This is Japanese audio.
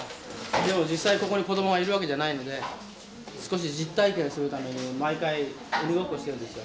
でも実際ここに子供がいるわけじゃないので少し実体験するために毎回鬼ごっこしてるんですよ。